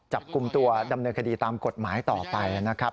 จับกลุ่มตัวดำเนินคดีตามกฎหมายต่อไปนะครับ